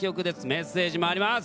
メッセージもあります。